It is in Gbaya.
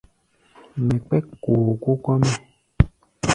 Mɛ kpɛ́k kookóo kɔ́-mɛ́.